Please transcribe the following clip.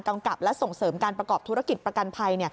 กับและส่งเสริมการประกอบธุรกิจประกันภัย